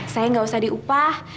saya gak usah diupah